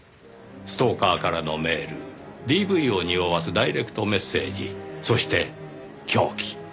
ストーカーからのメールＤＶをにおわすダイレクトメッセージそして凶器。